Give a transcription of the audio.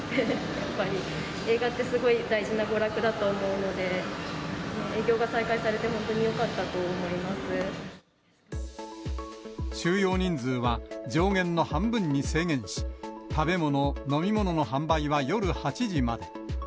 やっぱり映画って、すごい大事な娯楽だと思うので、営業が再開さ収容人数は上限の半分に制限し、食べ物、飲み物の販売は夜８時まで。